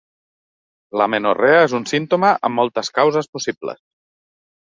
L'amenorrea és un símptoma amb moltes causes possibles.